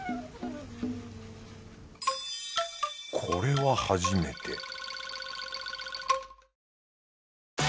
これは初めて